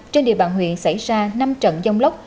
trên địa bàn huyện xảy ra năm trận dông lốc